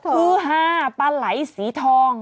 คือ๕ปลาไหลสีทอง